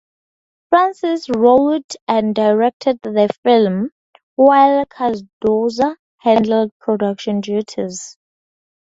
Francis wrote and directed the films, while Cardoza handled production duties.